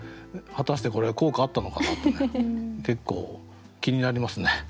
果たしてこれ効果あったのかなって結構気になりますね。